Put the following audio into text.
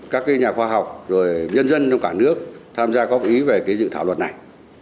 các nhà khoa học rồi nhân dân trong cả nước tham gia góp ý về dự thảo luật này